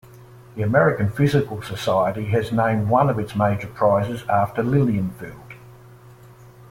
The American Physical Society has named one of its major prizes after Lilienfeld.